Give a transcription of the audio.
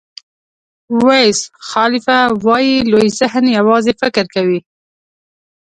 ویز خالیفه وایي لوی ذهن یوازې فکر کوي.